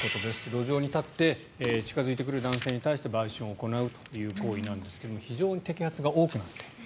路上に立って近付いてくる男性に対して売春を行うという行為なんですが非常に摘発が多くなっている。